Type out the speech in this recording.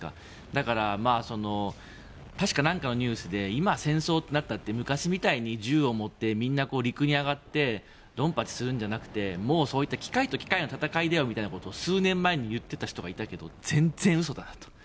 だから、確か何かのニュースで今、戦争ってなったって昔みたいに銃を持ってみんな陸に上がってドンパチするんじゃなくてもうそういった機械と機械の戦いだよみたいなことを数年前に言っていた人がいたけど全然嘘だなと。